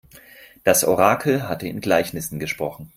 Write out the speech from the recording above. Das Orakel hatte in Gleichnissen gesprochen.